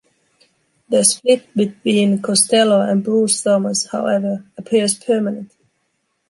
The split between Costello and Bruce Thomas, however, appears permanent.